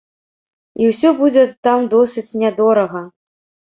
І усё будзе там досыць нядорага.